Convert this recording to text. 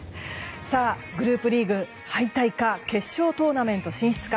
さあ、グループリーグ敗退か決勝トーナメント進出か。